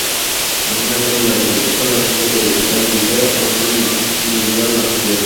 আমরা এখন নিরাপদ একটি শহরে আসতে পেরেছি, তাই নিজেদের অনেকটা নির্ভার লাগছে।